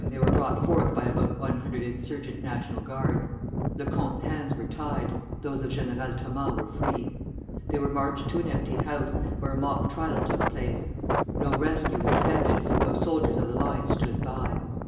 they were brought forth by about one hundred insurgent National Guards; Lecomte's hands were tied, those of General Thomas were free. They were marched to an empty house, where a mock trial took place. No rescue was attempted, though soldiers of the line stood by.